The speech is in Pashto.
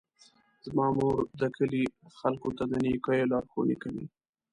زما مور د کلي خلکو ته د نیکیو لارښوونې کوي.